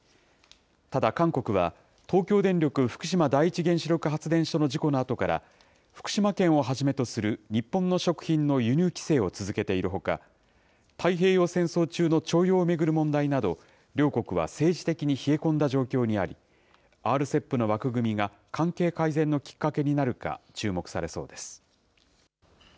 ただ韓国は、東京電力福島第一原子力発電所の事故のあとから、福島県をはじめとする日本の食品の輸入規制を続けているほか、太平洋戦争中の徴用を巡る問題など、両国は政治的に冷え込んだ状況にあり、ＲＣＥＰの枠組みが関係改善のきっかけになるか注目されそうです。